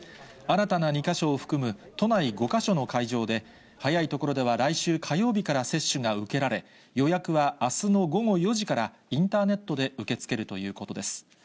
新たな２か所を含む都内５か所の会場で早い所では来週火曜日から接種が受けられ、予約はあすの午後４時からインターネットで受け付けるということです。